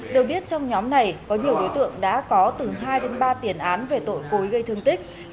được biết trong nhóm này có nhiều đối tượng đã có từ hai đến ba tiền án về tội cối gây thương tích